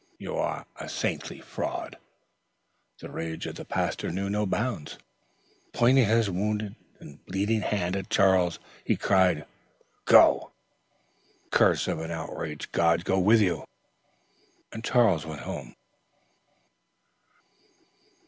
"You are a saintly fraud." The rage of the pastor knew no bounds. Pointing his wounded and bleeding hand at Charles, he cried: "Go! and may the curse of an outraged God go with you!" Charles went home.